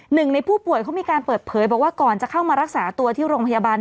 หนึ่งในผู้ป่วยเขามีการเปิดเผยบอกว่าก่อนจะเข้ามารักษาตัวที่โรงพยาบาล